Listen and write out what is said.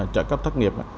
trợ cấp thất nghiệp